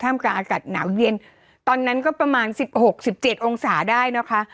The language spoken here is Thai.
ท่ามการอากาศหนาวเย็นตอนนั้นก็ประมาณ๑๖๑๗องศาได้นะคะ